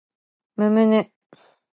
むむぬ